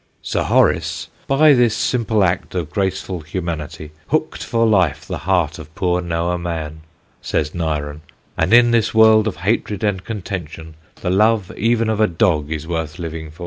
"Sir Horace, by this simple act of graceful humanity, hooked for life the heart of poor Noah Mann," says Nyren; "and in this world of hatred and contention, the love even of a dog is worth living for."